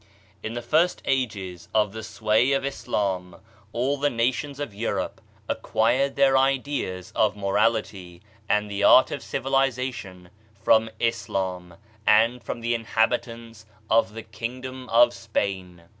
In the first ages of the sway of Islam, all the nations of Europe acquired their ideas of morality, and the art of civilization from Islam and from the inhabitants of the kingdom of Spain.